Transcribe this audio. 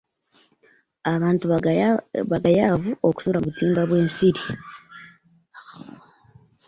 Abantu bagayaavu okusula mu butimba bw'ensiri.